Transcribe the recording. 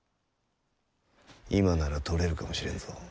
今なら取れるかもしれんぞ。